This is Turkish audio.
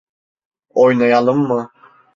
Oynayalım mı?